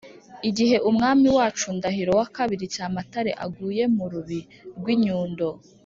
igihe umwami wacu ndahiro ii cyamatare aguye mu rubi rw’ inyundo,